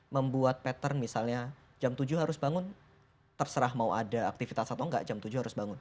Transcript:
membuat pattern misalnya jam tujuh harus bangun terserah mau ada aktivitas atau enggak jam tujuh harus bangun